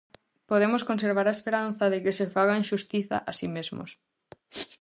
Podemos conservar a esperanza de que se fagan xustiza a si mesmos.